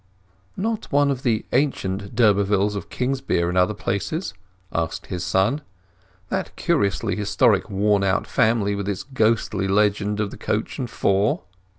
"Not one of the ancient d'Urbervilles of Kingsbere and other places?" asked his son. "That curiously historic worn out family with its ghostly legend of the coach and four?"